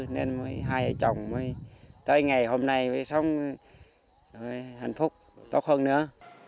nên hai chồng mới tới ngày hôm nay mới sống hạnh phúc tốt hơn nữa